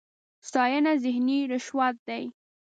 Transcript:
ستاېنه ذهني رشوت دی.